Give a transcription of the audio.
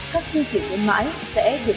các chương trình khuyến mãi sẽ được